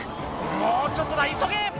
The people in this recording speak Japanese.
もうちょっとだ急げ！